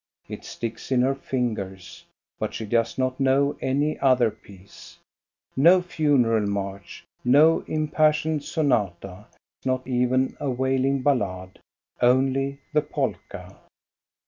It sticks in her fingers ; but she does not know any other piece, — no funeral march, no impassioned sonata, not even a wailing ballad, — only the polka.